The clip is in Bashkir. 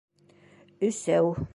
Өсәү